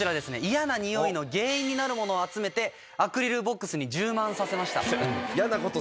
嫌なにおいの原因になるものを集めてアクリルボックスに充満させました。